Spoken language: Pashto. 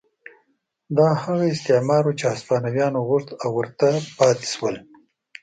دا هغه استعمار و چې هسپانویانو غوښت او ورته پاتې شول.